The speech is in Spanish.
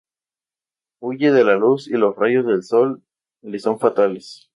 Huye de la luz, y los rayos del sol le son fatales.